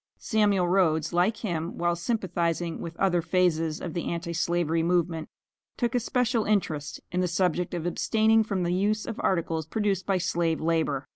Samuel Rhoads, like him, while sympathizing with other phases of the Anti slavery movement, took especial interest in the subject of abstaining from the use of articles produced by slave labor.